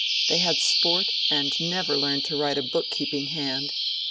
They had sport, and never learned to write a bookkeeping hand."